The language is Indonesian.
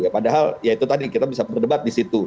padahal ya itu tadi kita bisa berdebat di situ